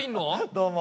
どうも。